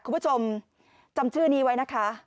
คุณผู้ชมจำชื่อนี้ไว้นะคะ